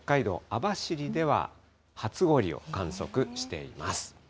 網走では初氷を観測しています。